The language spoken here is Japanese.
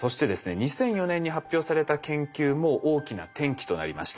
２００４年に発表された研究も大きな転機となりました。